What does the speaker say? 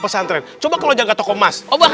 pesantren coba kalau jangan toko mas obat